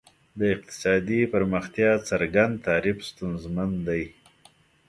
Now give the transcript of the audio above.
د اقتصادي پرمختیا څرګند تعریف ستونزمن دی.